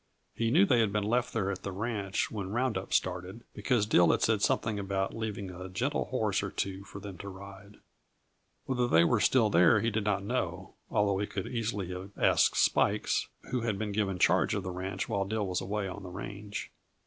He knew they had been left there at the ranch when round up started, because Dill had said something about leaving a gentle horse or two for them to ride. Whether they were still there he did not know, although he could easily have asked Spikes, who had been given charge of the ranch while Dill was away on the range.